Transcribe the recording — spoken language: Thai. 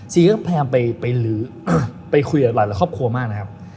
พยายามไปลื้อไปคุยกับหลายครอบครัวมากนะครับ